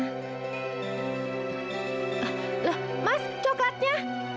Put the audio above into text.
loh mas coklatnya